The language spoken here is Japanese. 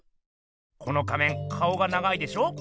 この仮面顔が長いでしょ？